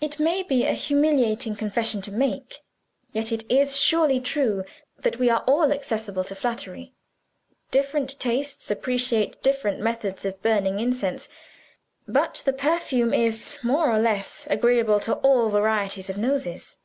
It may be a humiliating confession to make, yet it is surely true that we are all accessible to flattery. Different tastes appreciate different methods of burning incense but the perfume is more or less agreeable to all varieties of noses.